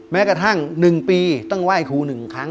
แม้กระทั่ง๑ปีต้องไหว้ครู๑ครั้ง